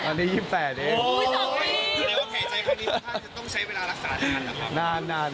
ใครใจคำนี้ค่าจะต้องใช้เวลารักษาดังนั้น